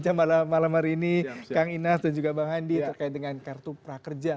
jadi yang pertama ini kang inas dan juga bang handi terkait dengan kartu prakerja